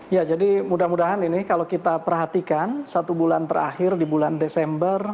ya jadi mudah mudahan ini kalau kita perhatikan satu bulan terakhir di bulan desember